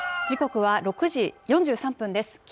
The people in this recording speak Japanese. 時刻は６時４３分です。